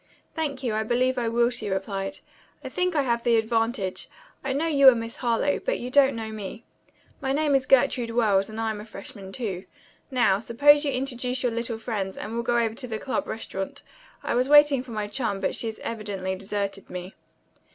"Thank you, I believe I will," she replied. "I think I have the advantage. I know you are Miss Harlowe, but you don't know me. My name is Gertrude Wells, and I am a freshman, too. Now, suppose you introduce your little friends, and we'll go over to the club restaurant. I was waiting for my chum, but she has evidently deserted me."